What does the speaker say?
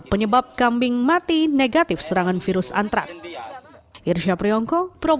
penyebab kambing mati negatif serangan virus antrak